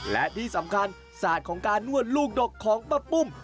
และที่สำคัญศาสตร์ของการนวดลูกดกของป้าปุ้ม